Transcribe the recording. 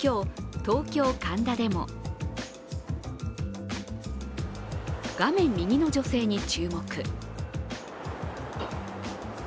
今日、東京・神田でも画面右の女性に注目。